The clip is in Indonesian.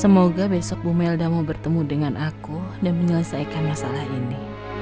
semoga besok bu melda mau bertemu dengan aku dan menyelesaikan masalah ini